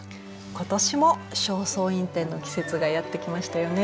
今年も「正倉院展」の季節がやってきましたよね。